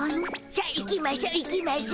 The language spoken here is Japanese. さあ行きましょ行きましょ。